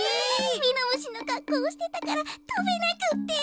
ミノムシのかっこうをしてたからとべなくって。